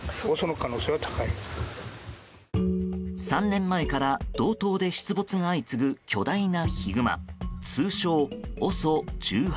３年前から道東で出没が相次ぐ巨大なヒグマ通称ＯＳＯ１８。